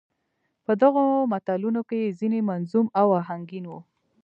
په دغو متلونو کې يې ځينې منظوم او اهنګين وو.